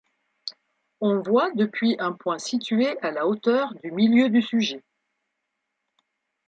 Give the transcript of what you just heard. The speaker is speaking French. On voit depuis un point situé à la hauteur du milieu du sujet.